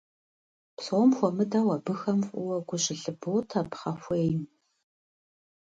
Псом хуэмыдэу абыхэм фӀыуэ гу щылъыботэ пхъэхуейм.